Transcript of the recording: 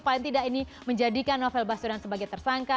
paling tidak ini menjadikan novel baswedan sebagai tersangka